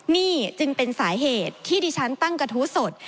นี่จึงเป็นสาเหตุที่ดิฉันตั้งกระทู้สด